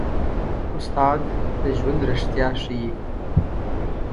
استاد د ژوند رښتیا ښيي.